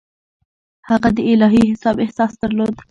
هغه د الهي حساب احساس درلود.